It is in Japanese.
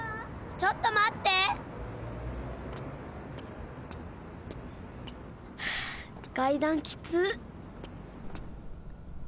ちょっとまって！はあかいだんきつっ！